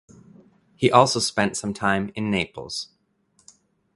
He also spent some time in Naples.